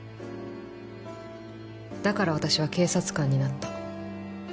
だから私は警察官になった。